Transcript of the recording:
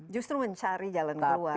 justru mencari jalan keluar ini bagaimana